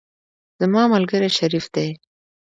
زما ملګری شریف دی.